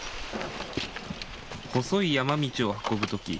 細い山道を運ぶとき